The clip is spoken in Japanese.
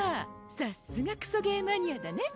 さっすがクソゲーマニアだね。